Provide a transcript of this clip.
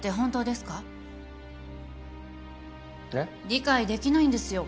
理解できないんですよ